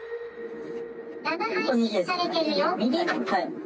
生配信されているよ。